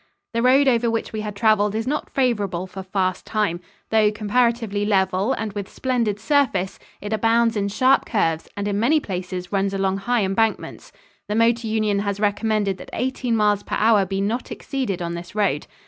The road over which we had traveled is not favorable for fast time. Though comparatively level and with splendid surface, it abounds in sharp curves and in many places runs along high embankments. The Motor Union has recommended that eighteen miles per hour be not exceeded on this road.